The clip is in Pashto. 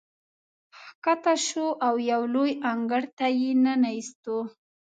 ښکته شوو او یو لوی انګړ ته یې ننه ایستو.